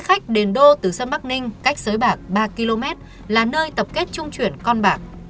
cách đền đô từ sân bắc ninh cách sới bạc ba km là nơi tập kết chung chuyển con bạc